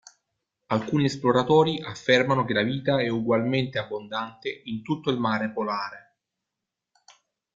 Alcuni esploratori affermano che la vita è ugualmente abbondante in tutto il mare polare.